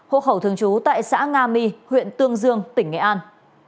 hộ khẩu thường trú tại xã nga my huyện tương dương tỉnh nghệ an